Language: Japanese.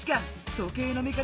時計の見方